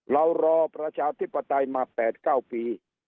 รอประชาธิปไตยมา๘๙ปี